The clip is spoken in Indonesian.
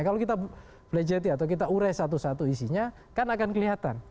kalau kita ures satu satu isinya kan akan kelihatan